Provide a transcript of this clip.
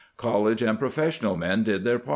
College and professional men did their pan.